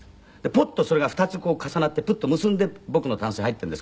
ポッとそれが２つ重なってプッと結んで僕のタンスに入っているんですけど。